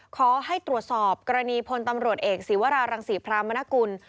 ขอให้ตรวจสอบกรณีพลตำรวจเอกศีวรารังศรีพรามนกุล